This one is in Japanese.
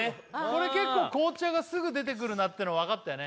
これ結構「紅茶」がすぐ出てくるなってのは分かったよね